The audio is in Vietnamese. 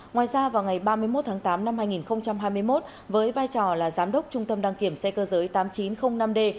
ngoài ra vào ngày ba mươi một tháng tám năm hai nghìn hai mươi một với vai trò là giám đốc trung tâm đăng kiểm xe cơ giới tám nghìn chín trăm linh năm d